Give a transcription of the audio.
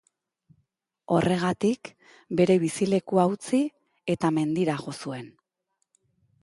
Horregatik, bere bizilekua utzi eta mendira jo zuen.